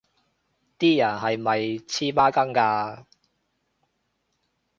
啲人係咪黐孖筋㗎